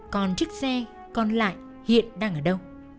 còn chiếc xe còn lại hiện đang ở đâu